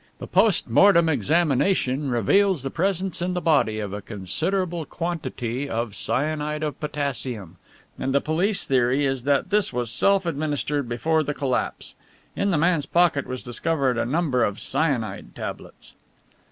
The post mortem examination reveals the presence in the body of a considerable quantity of cyanide of potassium, and the police theory is that this was self administered before the collapse. In the man's pocket was discovered a number of cyanide tablets.